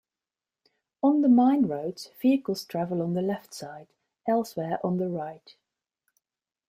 On the mine roads, vehicles travel on the left side, elsewhere on the right.